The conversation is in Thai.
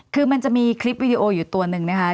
คือมันจะมีคลิปวิดีโออยู่ตัวหนึ่งนะคะ